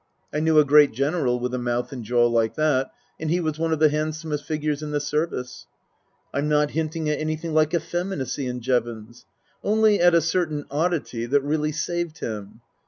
I knew a great General with a mouth and jaw like that, and he was one of the handsomest figures in the Service. I'm not hinting at anything like effeminacy in Jevons, only at a certain oddity that really saved him.